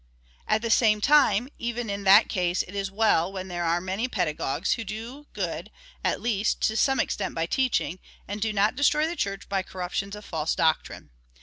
^ At the same time, even in that case it is well when there are many pedagogues, who do good, at least, to some extent by teaching, and do not destroy the Church by the corruptions of false doctrine.